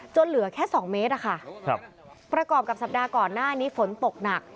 เหลือแค่สองเมตรอะค่ะครับประกอบกับสัปดาห์ก่อนหน้านี้ฝนตกหนัก